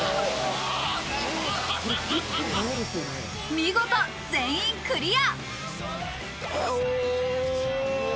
見事全員クリア。